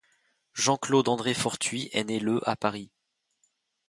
Jean-Claude André Fortuit est né le à Paris.